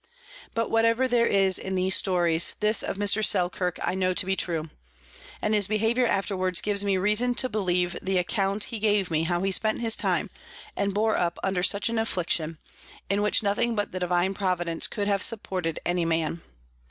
But whatever there is in these Stories, this of Mr. Selkirk I know to be true; and his Behaviour afterwards gives me reason to believe the Account he gave me how he spent his time, and bore up under such an Affliction, in which nothing but the Divine Providence could have supported any Man.